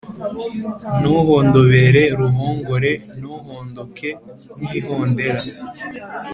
Ntuhondobere ruhongore Ntuhondoke nk'ihondera